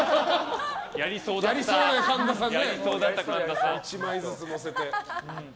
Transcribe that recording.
やりそうだよ、神田さん。